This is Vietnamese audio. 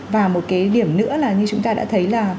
và một cái điểm nữa là như chúng ta đã thấy là